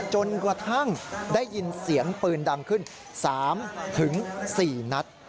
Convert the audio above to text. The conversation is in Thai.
จนกระทั่งได้ยินเสียงปืนดังขึ้น๓๔นัด